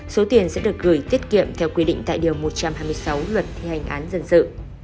số tiền sẽ được gửi tiết kiệm theo quy định tại điều một trăm hai mươi sáu luật thi hành án dân sự